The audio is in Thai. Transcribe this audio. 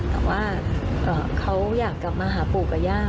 แต่ว่าเขาอยากกลับมาหาปู่กับย่า